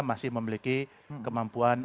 masih memiliki kemampuan